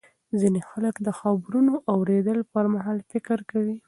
ځینې خلک د خبرونو اورېدو پر مهال فکر کوي.